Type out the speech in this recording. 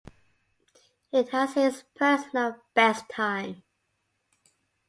It has his personal best time.